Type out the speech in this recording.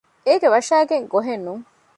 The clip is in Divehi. އޭގެ ވަށައިގެން ގޮހެއް ނޫން